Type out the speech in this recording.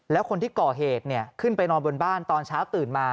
แล้วคนที่ก่อเหตุขึ้นไปนอนบนบ้านตอนเช้าตื่นมา